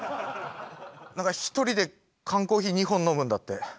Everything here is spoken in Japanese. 何か一人で缶コーヒー２本飲むんだって。